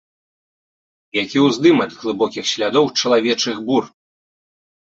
І які ўздым ад глыбокіх слядоў чалавечых бур!